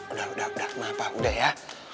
udah udah udah pak udah ya